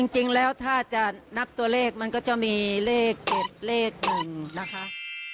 จริงแล้วถ้าจะนับตัวเลขมันก็จะมีเลข๗เลข๑นะคะ